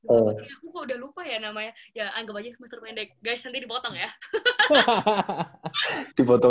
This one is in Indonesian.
aku kok udah lupa ya namanya ya anggap aja semester pendek